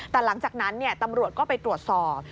แต่หลังจากนั้นตำรวจก็ไปตรวจสอบ